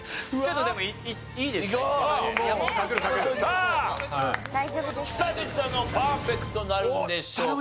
さあ久々のパーフェクトなるんでしょうか？